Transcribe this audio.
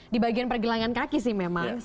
di bagian pergelangan kaki sih memang